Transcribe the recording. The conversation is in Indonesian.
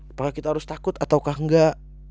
apakah kita harus takut ataukah enggak